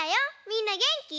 みんなげんき？